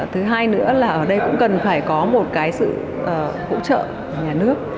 thứ hai nữa là ở đây cũng cần phải có một cái sự hỗ trợ nhà nước